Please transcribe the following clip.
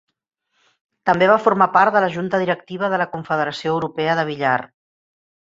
També va formar part de la Junta Directiva de la Confederació Europea de Billar.